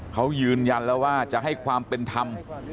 เขายืนยันแล้วว่าจะให้ความเป็นธรรม